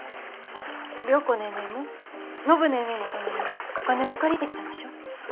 良子ネーネーも暢ネーネーのためにお金を借りてきたんでしょ？